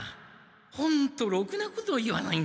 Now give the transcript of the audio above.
ホントろくなこと言わないんだから。